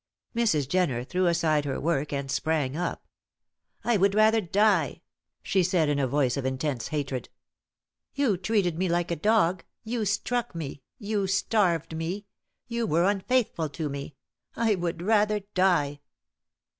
Mrs. Jenner threw aside her work and sprang up. "I would rather die," she said, in a voice of intense hatred. "You treated me like a dog; you struck me; you starved me; you were unfaithful to me. I would rather die."